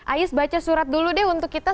ais baca surat dulu deh untuk kita